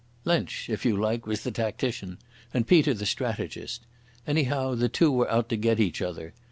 Lensch, if you like, was the tactician and Peter the strategist. Anyhow the two were out to get each other.